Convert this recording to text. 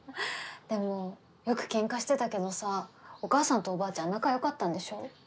でもよくケンカしてたけどさお母さんとおばあちゃん仲よかったんでしょ？